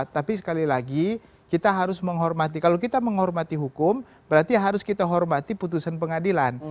tapi sekali lagi kita harus menghormati kalau kita menghormati hukum berarti harus kita hormati putusan pengadilan